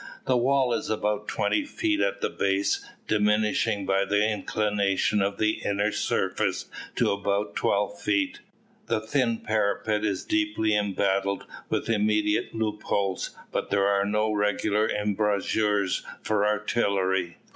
The wall is about twenty feet at the base, diminishing by the inclination of the inner surface to about twelve feet. The thin parapet is deeply embattled with intermediate loopholes, but there are no regular embrasures for artillery.